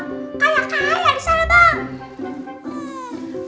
atau kaya disana bang